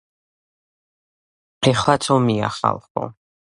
ეხლაც ომია ხალხო.